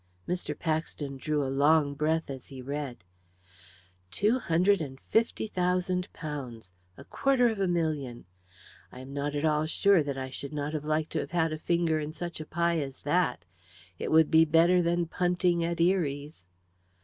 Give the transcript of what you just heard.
Mr. Paxton drew a long breath as he read: "Two hundred and fifty thousand pounds a quarter of a million! I am not at all sure that I should not have liked to have had a finger in such a pie as that. It would be better than punting at Eries."